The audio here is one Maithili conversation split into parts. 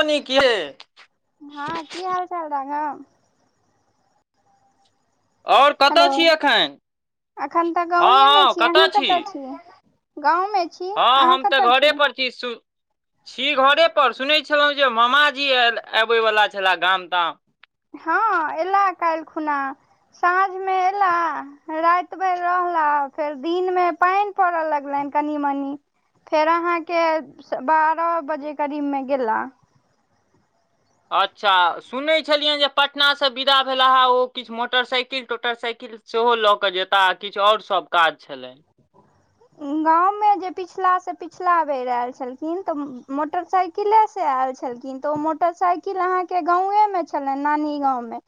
नीक ये हँ की हाल चाल राघव। और कतय छी एखन। एखन तऽ हँ गाँएमे हँ छी कतऽ अहाँ कतय छिये। हँ हम तऽ घरे पर छी सु छी घरे पर सुनै छलहुँ जे मामाजी आल आबय वला छलह गाम ताम। हँ एला काल्हि खुना साँझमे अयला राति भर रह ला फेर दिन मे पानि पड़ऽ लगलैन कनि मनी। फेर अहाँके बारह बजे करीबमे गेला। अच्छा सुनै छलियनि जे पटनासँ विदा भेल हे ओ किछु मोटरसाइकिल टोटरसाइकिल सेहो लऽ के जेता आ किछु और सब काज छलनि [inaudible] गाँंव में जे पिछला से पिछला बेर आयल छलखिन तऽ मोटरसाइकिले से आयल आयल छलखिन तऽ ओ मोटरसाइकिल अहाँके गांवे मे छलेन नानी गाँंव में।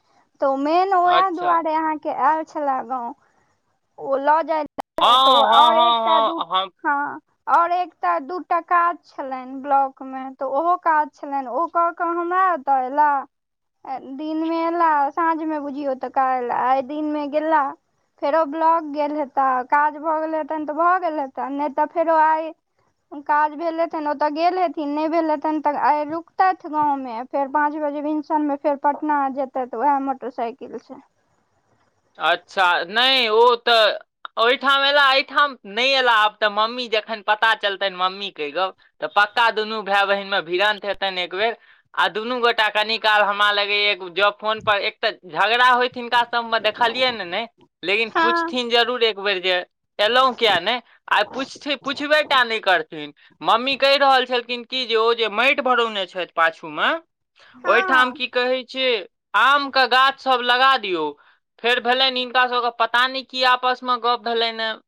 तऽ मेन ओएह अच्छा दुआरे अहाँ के आयल छला गाँंव ओ लऽ जाय हँ छले तऽ हँ आओर हँ एकटा दू हँ हम हँ और एकटा दूटा काज छलनि ब्लॉक मे तऽ ओहो काज छलनि ओ कऽ कऽ हम [unintelligible] दिनमे एयला साँझमे बुझियौ तऽ काल आइ दिनमे गेला। फेरो ब्लॉक गेल हेता काज भऽ गेले हेतन तऽ भऽ गेल हेतन नहि तऽ फेरो आइ काज भेल हेथिन ओतऽ गेल हेथिन नहि भेल हेथिन तऽ आइ रुकतैथ गाँवमे फेर पाँच बेर [unintelligible] मे फेर पटना जेते तऽ उएह मोटरसाइकिल से अच्छा नै ओ तऽ ओहिठाम एलाह एहिठाम नहि एलाह आब तऽ मम्मी जखन पता चलतनि मम्मी क गप तऽ प प दुनू भाय बहिन मे भीरंत हेतनि एक बेर आ दुनू गोटा कनि काल हमरा लग ए फोन पर एक तऽ झगड़ा होयत हिनका सब खेनलियै नै लेकिन हँ पुछथिन जरूर एकबेर जे एलहुँ किया नै आइ पुछथिन पूछबेटा नै करथिन मम्मी कहि रहल छलखिन कि की जे ओ जे माइट भरौने छैथ पाछू मे ओहि ठाम हँ की कहै छैय आमके गाछसभ लगा दियौ फेर भेलेन हिनकाभके पता नै की आपसमे गप भेलेन यें।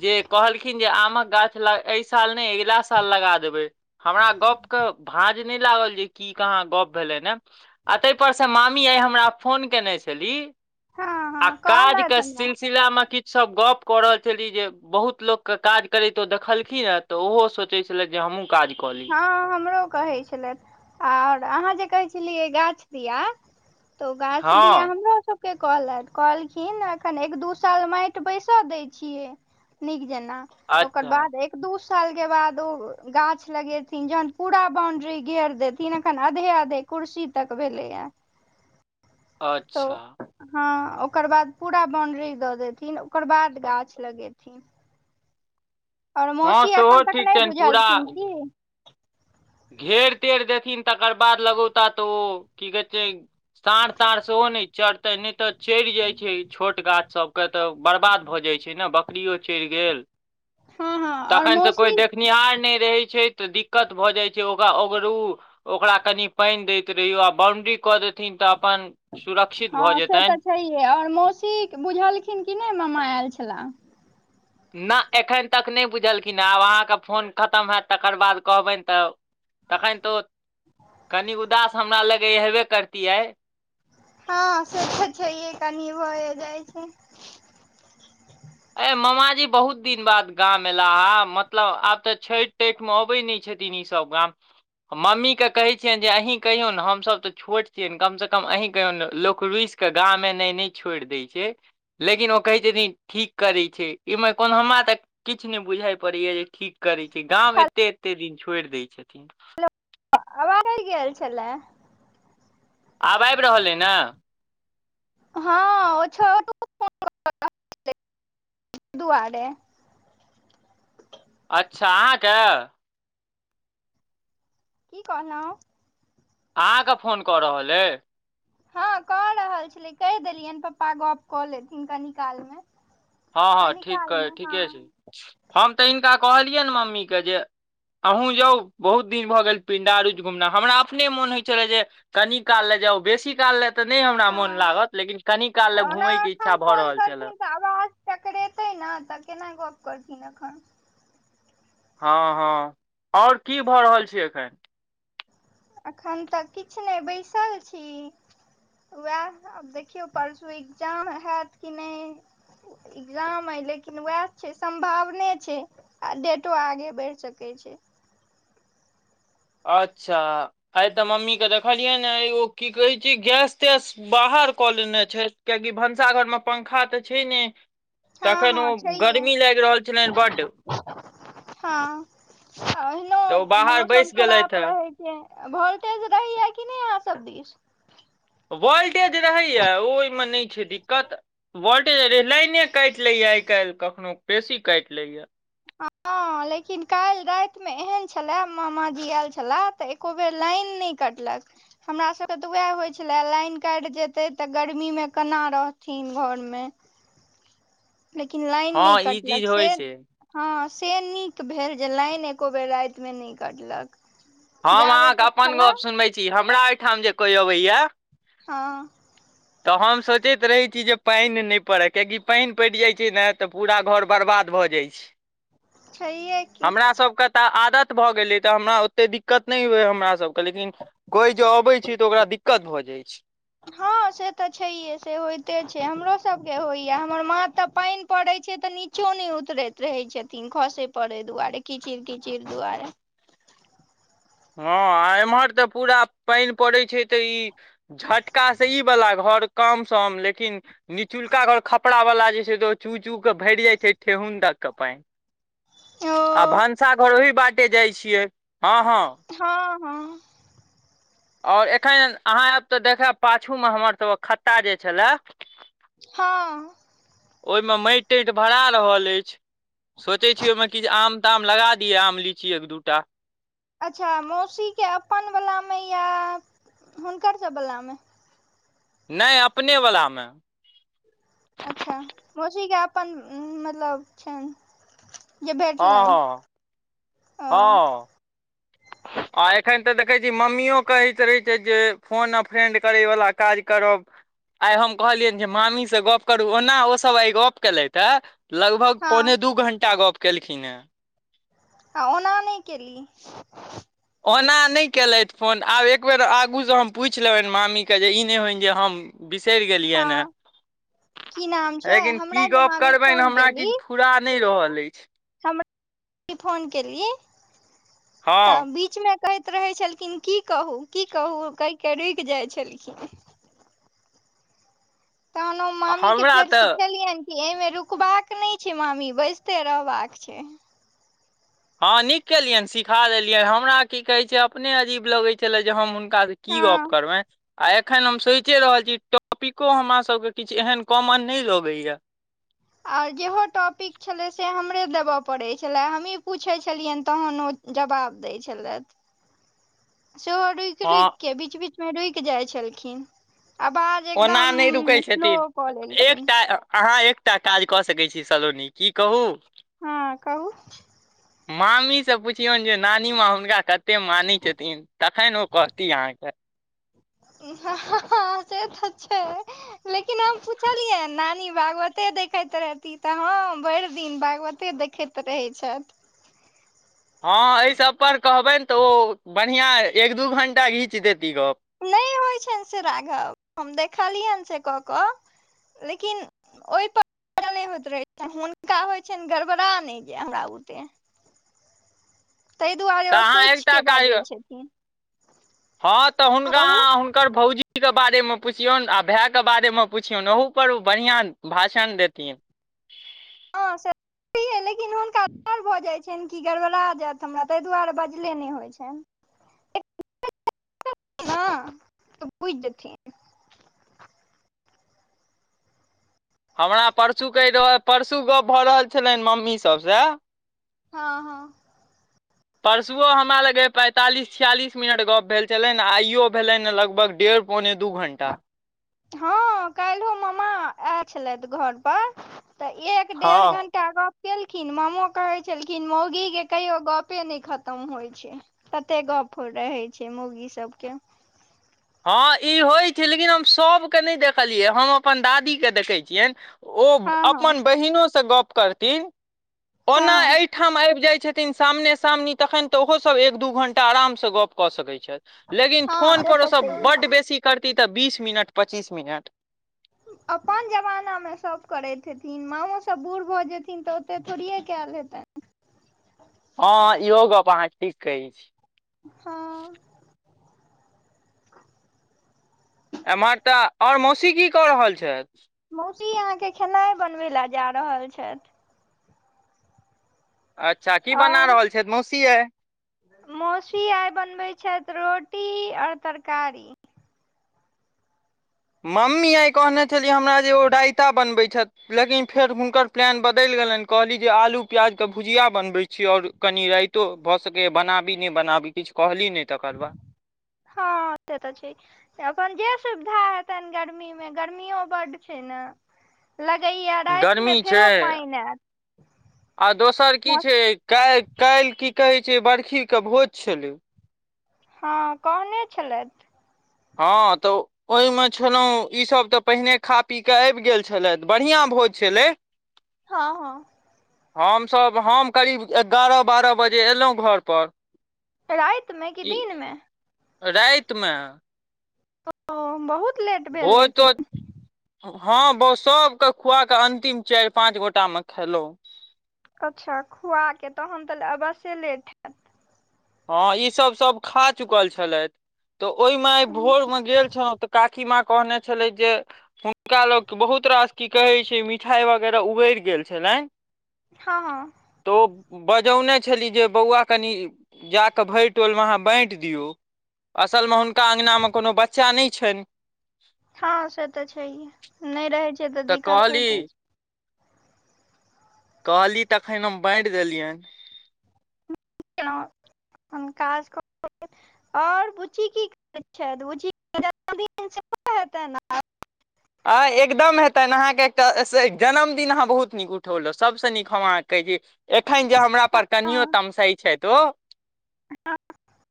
जे कहलखिन जे आमक गाछ ल ऐ साल नै अगिला साल लगा देबै। हमरा गप्पके भाँज नहि लागल जे की कहाँ गप्प भेलेन यें। आ ताहिपरसँ मामी आइ हमरा फोन कयने छलीह। हँ अ हँ काज कहलथि के हमरा सिलसिलामे कि सब गप कऽ रहल छली जे बहुत लोक के काज करैतो देखलखिन ह तऽ ओहो सोचे छले जे हमूँ हँ हमरो कहैत छलैथ और अहाँ जे कहे छलिये गाछ दिये तो गाछ दिये हँ हमरो सब के कहलैथ कहलखिन एखन एक दू साल माटि बैसऽ दै छियै नीक जेना ओकर अच्छा बाद एक दू साल के बाद उ गा छ लगेथिन जहन पूरा बाउंड्री घेर देथिन अखन आधे-आधे कुर्सी तक भेलेय। तऽ अच्छा हँ। ओकर बाद पूरा बाउंड्री दऽ देथिन, ओकर बाद गाछ लगेथिन। आओर हँ मौसी सेहो एखन तक ठीक नहि बुझलखिन की? घेर-तेर देथिन तकर बाद लगौता, तऽ ओ, की कहै छै साँढ़-ताँढ़ सेहो- ओ नहि चरतनि, नहि तऽ चरि जाइत छै छोट गाछसभ। तऽ बर्बाद भऽ जाइत छै ने। बकरिओ चरि गेल। हँ हँ आओर तखनि तऽ कोइ मौसी देखनिहार नहि रहै छै, तऽ दिक्कत भऽ जाइत- छै। ओकरा ओगरू, ओकरा कनि पानि दैत रहितो आ बाउण्ड्री कऽ देथिन तऽ- अपन सुरक्षित भऽ हँ, से तऽ जेतनि छैहे। आओर मौसी बुझलखिन कि नहि मामा आयल छै- छला? ना, एखन तक नहि बुझलखिन हेँ। आब अहाँके फोन खतम हैत, तकर बाद कहबनि तऽ- तखनि तऽ, कनि उदास हमरा लगैए हेबे करती आइ। हँ, से तऽ छैहे। कनी भए जाइत छै। आइ मामाजी बहुत दिन बाद गाम अएला हे, मतलब आब तऽ छठि-तठिमे अबैत नहि छ थिन ईसभ गाम। मम्मी केँ कहै छियनि, जे अहीँ कहियौन ने, हमसभ तऽ छोट छियनि। कमसँ कम अहीँ कहियौन ने, लोक रुसि- कऽ गाम एनाइ नहि छोड़ि दैत छै, लेकिन ओ कहै छथिन- ठीक करैत छै। इमे कोन हमरा तऽ किछु ने बुझाय पड़ैए, जे ठीक- करै छै। गाम एतेक एतेक दिन छोड़ि दैत छे [unintelligible] मतलब आवाजे नहि गेल छलए। आब आबि रहल अइ ने? हँ, ओ छ [unintelligible] [unintelligible] दुआरे। अच्छा, अहाँके? की कहलहुँ? अहाँकेँ फोन कऽ रहल अइ? हँ, कऽ रहल छलै। कहि देलियनि पप्पा गप्प कऽ लेथिन कनि कालमे। हँ हँ, कनि ठीक क कालमे ठीके छै। हँ हम तऽ हिनका कहलियनि मम्मीकेँ जे- अहूँ जाउ, बहुत दिन भऽ गेल पिंडारूच घुमना। हमरा अपने मोन होइत छलै, जे कनि काल ले- जाउ। बेसी काल लेल तऽ नहि हमरा मोन हँ लागत, लेकिन कनि काल लेल ओना घुमयके इच्छा भऽ रहल छलए। पकरेतै ने तऽ केना गप्प करथिन एखनि। हँ हँ। आओर की भऽ रहल छै एखनि? एखन तऽ किछु नहि, बैसल छी। उएह, आब देखियौ परसू एग्जाम हएत कि नहि। एग्जाम अइ, लेकिन उएह छै, सम्भावने छै आ डेटो आगे बढ़ि सकै- छै। अच्छा। आइ तऽ मम्मी केँ देखलियनि हेन ओ की कहैत छै गैस-तैस बाहर- बाहर कऽ लेने छथि, किएकि भनसाघरमे पंखा तऽ छै नहि। हँ तखनि हँ ओ छैहे गर्मी लागि रहल छलनि बड्ड। हँ, आ ओहिनो ओ बाहर मौसम- बैस गेलथि खराप हे रहैत छै, आ भोल्टेज रहैए कि नहि अहाँसभ दिश? वोल्टेज रहैए, ओहिमे नहि छै दिक्कत। वोल् [unintelligible] लाइने काटि लैए आइ-काल्हि, कखनो बेसी काटि लैए। हँ। हँ, लेकिन काल्हि रातिमे एहन छलए, मामाजी आएल छलाह, तऽ एक्को बेर लाइन नहि कटलक। हमरा सबके त वैह होइ छले लाइन काटि देतै त गर्मी मे केना रहथिन घर नै, लेकिन लाइन हँ नै ई चीज कटलक से होइ छै हँ से नीक भेल जे लाइन एको बेर राति मे नै कटलक। हम जाबे अहाँके तक अपन छलए गप सुनबै छी हमरा एहिठाम जे कोई अबैये हँ। त हम सोचैत रहै छी जे पानि नहि पड़य कियाकि पानि पड़ि जाय छै ने त पूरा घर बर्बाद भ प जाइ छै। छैहे की हमरा सभके त आदत भ गेलै त हमरा ओतेक दिकत नहि होइये हमरा सबके लेकिन कोइ जँ अबै छै त ओकरा दिकत भ जाइ छै। हँ से त छैये से होइते छै, हमरो सब के होइये हमर मा त पानि पड़ै छै त नीचो नै उतरै रहै छथिन खसै पड़ै दुआारे मारे कीचिर कीचिर दुआरे। हँ आ एमहर त पूरा पानि पड़ैत छै त ई झटका से ई वला घर कम सम लेकिन निचुलका घर खपड़ा वला जे छै चू चू के भरि जाय छै ठेहुन तक। के पानि आ ओ भनसाघर ओहि बाटे जाइ छियै, हँ हँ। हँ हँ। और एखन अहाँ आयब त देखैब पाछूमे हमरसभके खत्ता जे छले हँ। ओहिमे माटि ताटि भरा रहल अछि। सोचै छियै ओहिमे कि जे आम ताम लगा दियै, आम लीची एक दू टा। अच्छा मौसीके अपन वलामे या हुनकर सब वलामे नै अपने वलामे। अच्छा, मौसी के अपन मतलब छैन जे हँ भेटलैन हँ हं। हँ [inaudible] आ एखन त देखै छी मम्मियो कहैत रहै छैथ जे फोन आ फ्रेंड करयवला काज करब आइ हम कहलियनि जे मामीसे गप करू, ओना ओसभ आइ गप केलथि हे। लगभग पौने हँ दू घण्टा गप केलखिन हेँ। आ ओना नहि केली। ओना नहि केलथि फोन, आब एकबेर आगूसँ हम पुछि लेबनि मामीके जे ई नहि होनि जे हम बिसरि गेलियैने। हँ की नाम छै लेकिन की हमरा जे गप मामी करबनि फोन हमरा किछु फुरा नहि रहल अछि। हम जे फोन केलियै हँ त बीचमे कहैत रहै छलखिन, की कहू, की कहू, कहि के रुकि जाय छलखिन। तखन ओ मामी के हमरा फेर तऽ सिखेलियैन एहिमे रुकबाक नहि छै मामी बैजते रहबाक छै। हँ नीक केलियनि सीखा देलियनि, हमरा की कहैत छै अपने अजीब लगैत छले जे हम हु का की हँ गप करबैन। आ एखन हम सोचिए रहल छी, टॉपिको हमरा सभके किछु एहन कॉमन नहि लगैए। आर जेहो टॉपिक छलै से हमरा हमरे देब पड़ै छलै, हमहीँ पूछै छलियनि तखन ओ जवाब दै छलैथ। सेहो रुकि रुकि हँ के, बीच बीचमे रुकि जाइत छलखिन। आवाज ओना नहि रुकै एकदम स्लो छथिन, कऽ लेलखिन एकटा अहाँ एक टा काज क सकैत छी सलोनी, की कहू हँ कहू। मामीसे पुछियौन जे नानी माँ हुनका कतेक मानै छथिन, तखैन ओ कहती अहाँके। [unintelligible] से त छै, लेकिन हम सोचलियै नानी मा के, ओतै देखैत रहती हँ भरि दिन भागवते देखैत रहै छथि। हँ एहि सभपर कहबनि त ओ बढ़िया एक दू घंटा घीचि देती गप नै होइ छनि से राघव, हम देखलियैन से क क लेकिन ओहिपर नहि होइत रहै छ हुनका होइ छनि गड़बड़ा नहि जे हमरा बुते तै दुआरे तऽ ओ अहाँ सोचि एकटा के काज बाजै छथिन। हँ त हुनका कहू अहां, हुनकर भौजी जीके बारेमे पुछियौन आ भायके बारेमे पुछियौन ओहूपर ओ बढ़िआँ भाषण देथिन हँ ह लेकिन हुनक [unintelligible] छै न कि गड़बड़ा जायत हमरा तै दुआरे बजले नै होइ छनि। हं त बुझि जेथिन। हमरा परसू कहि रहय, परसू गप भ रहल छलैन मम्मी सभसे हँ हँ परसुओ हमरा लग पैंतालीस छियालिस मिनट गप्प भेल छलनि आइयो भेलनि लगभग डेढ़ पौने दू घंटा हँ काल्हियो मामा आयल छलथि घर पर। त एक डेढ़ हँ घंटा गप केल खिन, मामो कहै छलखिन मौगी के कहियो गपे नै खतम होइ छै, तते गप होय रहै छै मौगी सबके। हँ ई होइ छै, लेकिन हम सभके नहि देखलियै हम अपन दादीके देखै छियनि ओ हँ हँ अपन बहिनो से गप करथिन, ओना हँ एहिठाम आबि जाय छथिन सामने सामनी तखैन त ओहो सब एक दू घंटा आराम स गप क सकै छथिन। छथि लेकिन हँ फोन से पर तऽ ओसभ छैहे बड बेसी करती ते बीस मिनट, पचीस मिनट। [inaudible] अपन जमानामे सभ करैत हेथिन, माँओ सभ बूढ़ भ जेथिन त ओते थोड़े कयल हेतनि। [unintelligible] हँ इहो गप अहाँ ठीक कहैत छी हँ एमहर त और मौसी की क रहल छथि? मोती अहाँके खेनाइ बनबै ले जा रहल छथि। अच्छा, की बना आओर रहल छथि मौसी आइ। मौसी आइ बनबै छथि रोटी और तरकारी। मम्मी आइ कहने छलि हमरा जे ओ रायता बनबै छथि लेकिन फेर हुनकर प्लान बदलि कहली जे आलू प्याज के भुजिया बनबै छी और कनी राइतो भ सकैये बनाबी नो बनाबी किछु कहली नहि तकर बाद हँ से त छै, अपन जे सुविधा हेतनि गर्मी मे गर्मियो बड छै ने। लगैये रातिमे गर्मी फेरो छै पानि हैत। आ दोसर की छै काल काल्हि की कहै छै बर्खी के भोज छलै। हँ कहने छलथि। हँ त ओहिमे छलहुँ, ईसभ त पहिने खा पी के आबि गेल छलथि, बढ़िआँ भोज छलै। हँ हँ। हमसभ हम करीब एगारह बारह बजे अयलहुँ घरपर। राझ्त में कि दिनमे राइत में। ओ बहुत लेट भेल तोज लेकिन हँ बौ सबके खुआ कऽ अंतिम चारि पाँच गोटा मे खेलों। अच्छा खुआकेऽ तहन तऽ अवश्य लेट हयैत। हँ ईसभ सभ खा चुकल छलैथ। तऽ ओहिमे आइ भोर में गेल छौ तऽ काकी माँ कहने छलै जे हुनका लग बहुत रास की कहै छैयमिठाई वगैरह उबैर गेल छलैन। हँ हँ। बजौने छली जे बौआ कनि जा के भैर टोल मे अहाँ बाँट दियौ, असल मे हुनका अंगना मे कोनो बच्चा नै छैन हँ से तऽ छैहे नहि रहै छैयतऽ तऽ दिक्कत कहली होइते छैय। कहली तखेन हम बाँइट देलियेन। [unintelligible] हम काज [unintelligible] और बुची [unintelligible] [unintelligible] आ एकदम हेतनि अहाँके एकटा जन्मदिन अहाँ बहुत नीक उठौलहुँ सभसँ नीक हम अहाँके कहैत छी। एखन जे हमरा पर कनियो तमसैय छैथ ओ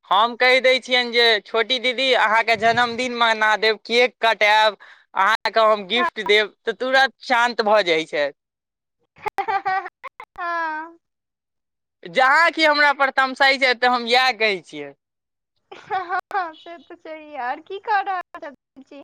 हम कह दे छिये जे छोटी दीदी अहाँ के जन्मदिन मनाब, केक कटाब। कऽ हम गिफ्ट देब तऽ तुरन्त शान्त भऽ जाइत छैय। हँ हँ हँ। जहाँ की हमरा तमशाई छैय तऽ हम इएह कहै छियै। हँ हँ हँ से तऽ छैये आर की क रहल छी।